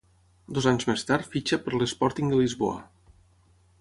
Dos anys més tard fitxa per l'Sporting de Lisboa.